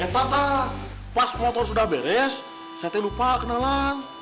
eh tata pas motor sudah beres saya lupa kenalan